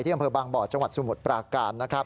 ที่กำเภอบางบอดจังหวัดสมุทรปราการ